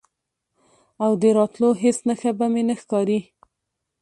او د راتلو هیڅ نښه به مې نه ښکاري،